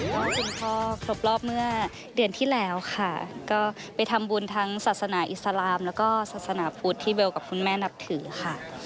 ก็คุณพ่อครบรอบเมื่อเดือนที่แล้วค่ะก็ไปทำบุญทั้งศาสนาอิสลามแล้วก็ศาสนาพุทธที่เบลกับคุณแม่นับถือค่ะ